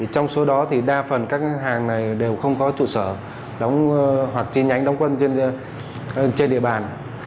trong số đó thì đa phần các hàng này đều không có trụ sở đóng hoặc chi nhánh đóng quân trên địa bàn